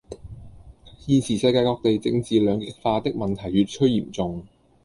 現時世界各地政治兩極化的問題越趨嚴重